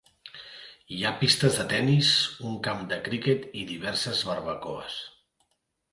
Hi ha pistes de tennis, un camp de criquet i diverses barbacoes.